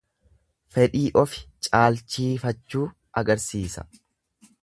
Fedhii ofi caalchiifachuu agarsiisa.